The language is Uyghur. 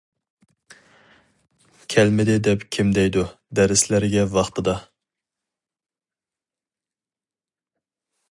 كەلمىدى دەپ كىم دەيدۇ، دەرسلەرگە ۋاقتىدا.